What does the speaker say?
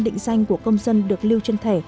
định danh của công dân được lưu trên thể